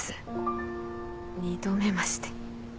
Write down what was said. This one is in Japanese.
二度目まして。